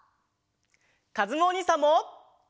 かずむおにいさんも！